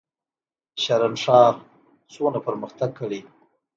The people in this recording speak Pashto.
شرن ښار څومره پرمختګ کړی؟